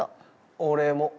俺も。